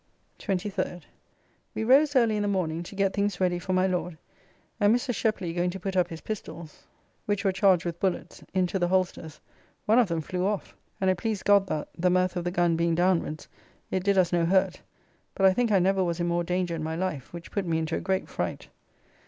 23rd. We rose early in the morning to get things ready for My Lord, and Mr. Sheply going to put up his pistols (which were charged with bullets) into the holsters, one of them flew off, and it pleased God that, the mouth of the gun being downwards, it did us no hurt, but I think I never was in more danger in my life, which put me into a great fright.